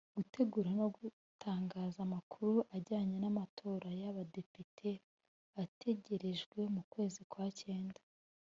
gutegura no gutangaza amakuru ajyanye n’amatora y’abadepite ategerejwe mu kwezi kwa cyenda